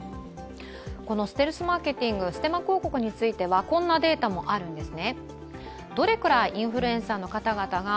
このステルスマーケティングステマ広告についてはこんなデータもあるんですね。